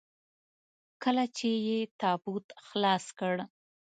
کله چې يې تابوت خلاص کړ.